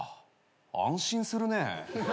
安心するねぇ。